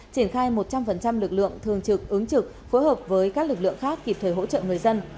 triển khai một trăm linh lực lượng thường trực ứng trực phối hợp với các lực lượng khác kịp thời hỗ trợ người dân